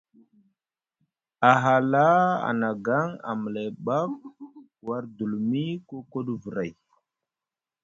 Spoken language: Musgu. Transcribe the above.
A hala a nagaŋ amlay ɓak war dulumi kokoɗi vray.